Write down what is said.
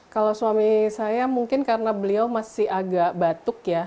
kalau suami saya mungkin karena beliau masih agak batuk ya